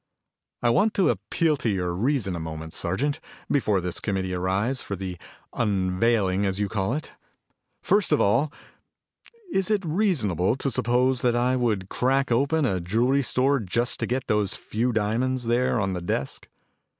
"I want to appeal to your reason a moment, Sergeant, before this committee arrives for the 'unveiling' as you call it. First of all, is it reasonable to suppose that I would crack open a jewelry store just to get those few diamonds there on the desk?